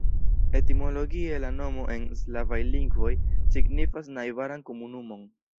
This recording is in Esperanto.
Etimologie la nomo en slavaj lingvoj signifas najbaran komunumon.